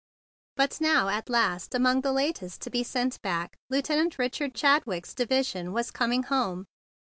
But now, at last, among the latest to be sent back, Lieutenant Richard Chadwick's division was coming home!